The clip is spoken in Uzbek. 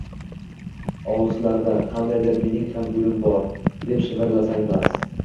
«Olislarda, qaydadir mening ham gulim bor», deb shivirlasang bas